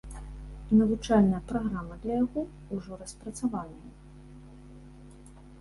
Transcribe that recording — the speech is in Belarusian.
Навучальная праграма для яго ўжо распрацаваная.